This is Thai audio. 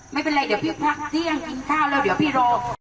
ไม่เป็นไรเดี๋ยวพี่พักเที่ยงกินข้าวแล้วเดี๋ยวพี่รอ